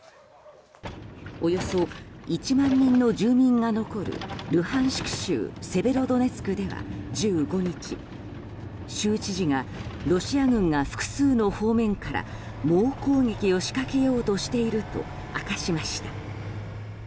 およそ１万人の住民が残るルハンシク州セベロドネツクでは１５日、州知事がロシア軍が複数の方面から猛攻撃を仕掛けようとしていると明かしました。